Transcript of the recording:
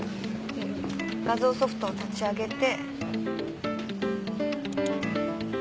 画像ソフトを立ち上げて。